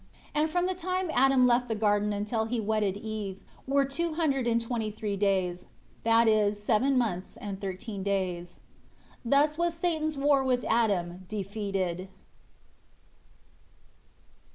And from the time Adam left the garden until he wedded Eve, were two hundred and twenty three days, that is seven months and thirteen days. 9 Thus was Satan's war with Adam defeated.